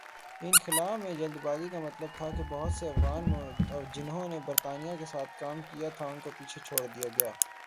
انخلا میں جلد بازی کا مطلب تھا کہ بہت سے افغان جنہوں نے برطانیہ کے ساتھ کام کیا تھا ان کو پیچھے چھوڑ دیا گیا۔